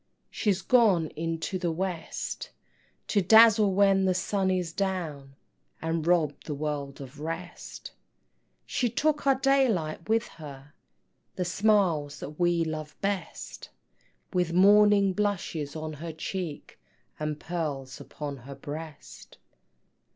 She's gone into the West, To dazzle when the sun is down, And rob the world of rest: She took our daylight with her, The smiles that we love best, With morning blushes on her cheek, And pearls upon her breast.